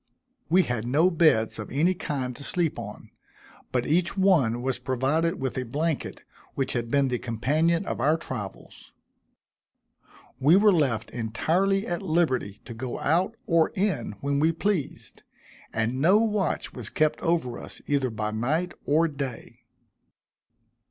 We had no beds of any kind to sleep on, but each one was provided with a blanket, which had been the companion of our travels. We were left entirely at liberty to go out or in when we pleased, and no watch was kept over us either by night or day.